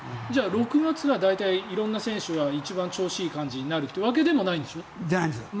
６月は大体色んな選手が一番調子いい感じになるわけでもないんでしょ？